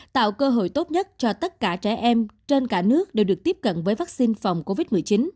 tạo cơ hội tốt nhất cho tất cả trẻ em trên cả nước đều được tiếp cận với vaccine phòng covid một mươi chín